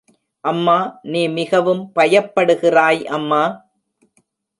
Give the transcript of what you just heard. அம்மா, நீ மிகவும் பயப்படுகிறாய் அம்மா!